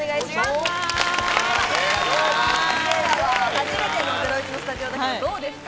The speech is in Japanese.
初めての『ゼロイチ』のスタジオどうですか？